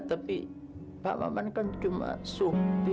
tapi pak maman kan cuma sunti